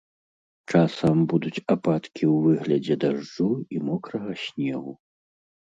Часам будуць ападкі ў выглядзе дажджу і мокрага снегу.